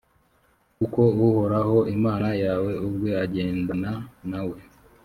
kuko uhoraho imana yawe ubwe agendana nawe.